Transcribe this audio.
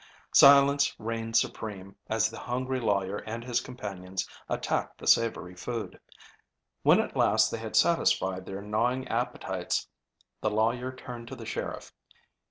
Silence reigned supreme as the hungry lawyer and his companions attacked the savory food. When at last they had satisfied their gnawing appetites the lawyer turned to the sheriff.